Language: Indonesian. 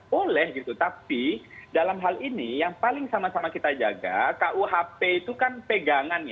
boleh gitu tapi dalam hal ini yang paling sama sama kita jaga kuhp itu kan pegangan